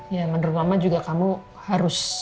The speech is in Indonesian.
ya menurut mama juga kamu harus